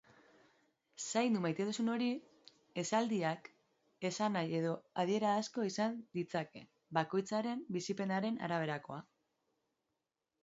"Zaindu maite duzun hori" esaldiak esanahi edo adiera asko izan ditzake, bakoitzaren bizipenaren araberakoa.